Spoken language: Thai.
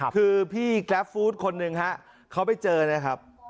คือพี่แกรฟฟู้ดคนหนึ่งฮะเขาไปเจอนะครับ